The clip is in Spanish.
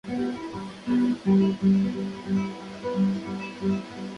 Se encuentra en la parte posterior del lóbulo frontal.